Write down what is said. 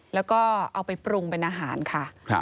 แล้วก็เอาไปปรุงเป็นอาหารค่ะ